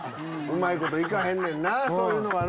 うまいこと行かへんねんなそういうのは。